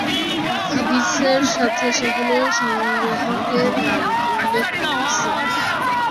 হাদিসের সাথে সেগুলোর সংগ্রাহকের নামও উল্লেখ রয়েছে।